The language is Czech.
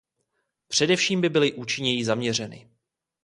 Především by měly být účinněji zaměřeny.